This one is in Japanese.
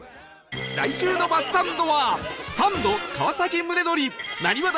来週のバスサンドは